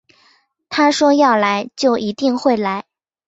他说要来就一定会来